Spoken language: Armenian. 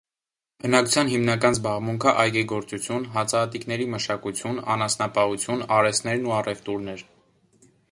Բնակչության հիմնական զբաղմունքը այգեգործություն, հացահատիկների մշակություն, անասնապահություն, արհեստներն ու առևտուրն էր։